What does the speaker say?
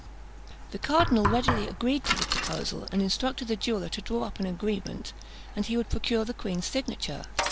The cardinal readily agreed to the proposal, and instructed the jeweller to draw up an agreement, and he would procure the queen's signature.